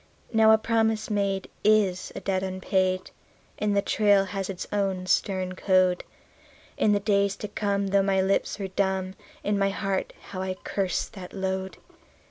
Now a promise made is a debt unpaid, and the trail has its own stern code. In the days to come, though my lips were dumb, in my heart how I cursed that load.